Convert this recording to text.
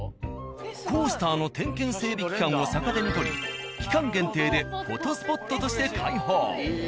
コースターの点検整備期間を逆手に取り期間限定でフォトスポットとして開放。